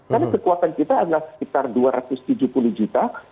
karena kekuatan kita adalah sekitar dua ratus tujuh puluh juta